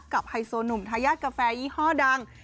ไฮโซหนุ่มทายาทกาแฟยี่ห้อดัง